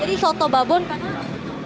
jadi soto babon karena